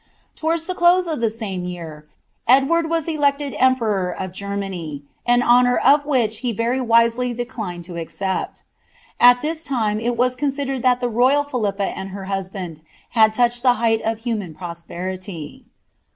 Towards the close of the same year, £d iranl was elected emperor of Germany ; an honour of which he very raely declined the acceptance. At this time it was considered that the njral Philippa and her husband had touched the height of human pros lerity.